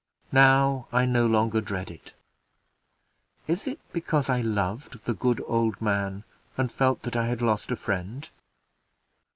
Now I no longer dread it. Is it because I loved the good old man, and felt that I had lost a friend?